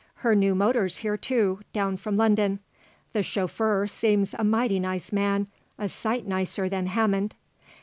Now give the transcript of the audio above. Her new motor's here, too, down from London. The chauffeur seems a mighty nice man, a sight nicer than Hammond."